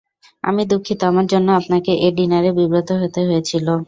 আমি দুঃখিত, আমার জন্য আপনাকে ঐ ডিনারে বিব্রত হতে হয়েছিল।